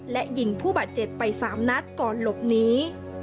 และยิงผู้บาดเจ็บไป๓นัดก่อนหลบหนี